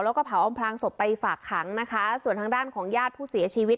แล้วก็เผาอำพลางศพไปฝากขังนะคะส่วนทางด้านของญาติผู้เสียชีวิต